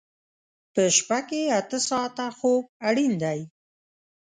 په شپه کې اته ساعته خوب اړین دی.